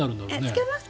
つけますか？